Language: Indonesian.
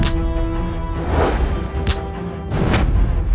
cepat kalian pergi dari sini